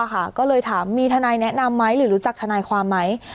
ก็เลยถามมีทนายแนะนำไหมหรือรู้จักทนายความไหม